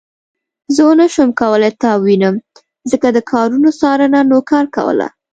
زه ونه شوم کولای تا ووينم ځکه د کارونو څارنه نوکر کوله.